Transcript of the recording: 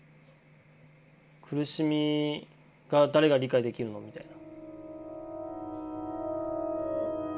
苦しみが誰が理解できるのみたいな。